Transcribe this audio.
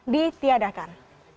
di tiada kan